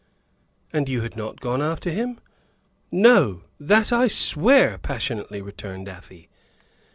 "And you had not gone after him?" "No; that I swear," passionately returned Afy.